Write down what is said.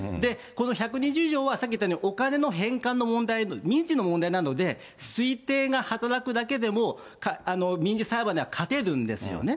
この１２０条は、さっき言ったお金の返還の問題の民事の問題なので、推定が働くだけでも、民事裁判では勝てるんですよね。